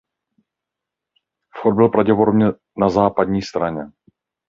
Vchod byl pravděpodobně na západní straně.